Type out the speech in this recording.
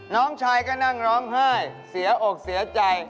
น้องชายก็นั่งร้องไห้เสียอกเสียใจ